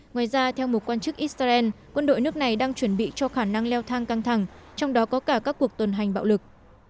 ngoài ra theo một quan chức israel quân đội nước này đang chuẩn bị cho khả năng leo thang căng thẳng trong đó có cả các cuộc tuần hành bạo lực